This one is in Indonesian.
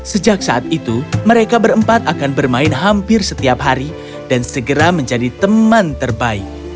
sejak saat itu mereka berempat akan bermain hampir setiap hari dan segera menjadi teman terbaik